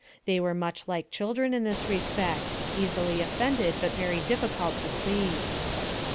They were much like children in this respect easily offended, but very difficult to please.